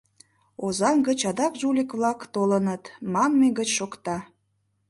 Озаҥ гыч адак жулик-влак толыныт, манме гыч шокта.